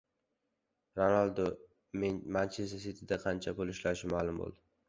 Ronaldu "Manchester Siti"da qancha pul ishlashi ma’lum bo‘ldi